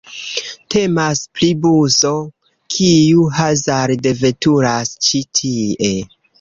Temas pri buso, kiu hazarde veturas ĉi tie.